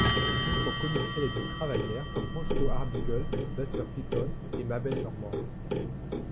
D'autres comiques célèbres y travaillèrent, comme Roscoe Arbuckle, Buster Keaton, et Mabel Normand.